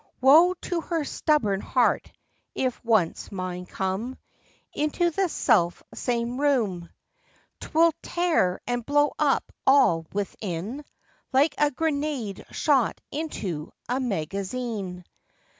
Woe to her stubborn heart, if once mine come Into the self same room; 'Twill tear and blow up all within Like a grenade shot into a magazine.